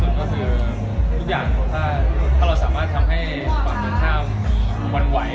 ก็เป็นเกมครับถ้าเราสามารถทำให้ฝากตัวข้ามหวานไหว